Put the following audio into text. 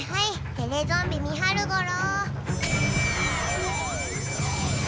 テレゾンビ見はるゴロ。